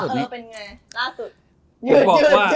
เออเป็นไงล่าสุด